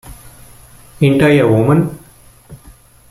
Ain't I a Woman?